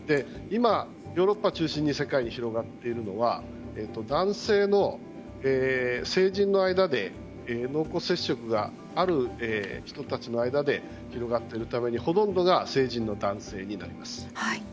今、ヨーロッパを中心に世界で広がっているのは男性の成人の濃厚接触がある人たちの間で広がっているためにほとんどが成人の男性になります。